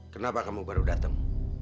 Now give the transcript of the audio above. kenapa kamu baru datang